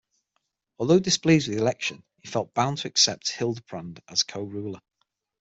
Although displeased with the election, he felt bound to accept Hildeprand as co-ruler.